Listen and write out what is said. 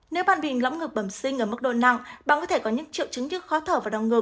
nếu bạn bị lõng ngực bẩm sinh ở mức độ nặng bạn có thể có những triệu chứng như khó thở và đau ngực